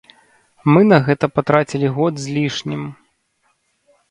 Мы на гэта патрацілі год з лішнім.